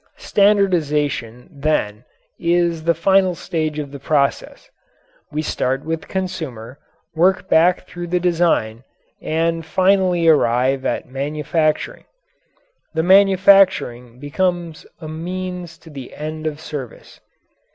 Standardization, then, is the final stage of the process. We start with consumer, work back through the design, and finally arrive at manufacturing. The manufacturing becomes a means to the end of service.